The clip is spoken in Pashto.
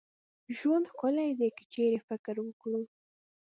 ژوند ښکلې دي که چيري فکر وکړو